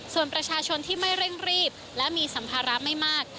ส่วนประชาชนที่ไม่เร่งรีบและมีสัมภาระไม่มาก